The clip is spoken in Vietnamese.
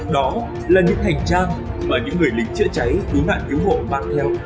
đó là những hành trang mà những người lính chữa cháy cứu nạn cứu hộ mang theo